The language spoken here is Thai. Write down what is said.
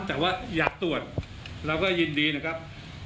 แต่ว่าอยากตรวจเราก็ยินดีนะครับ